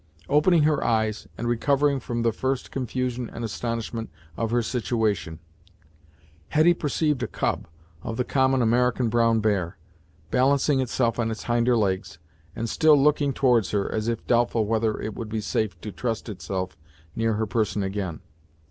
Opening her eyes, and recovering from the first confusion and astonishment of her situation, Hetty perceived a cub, of the common American brown bear, balancing itself on its hinder legs, and still looking towards her, as if doubtful whether it would be safe to trust itself near her person again.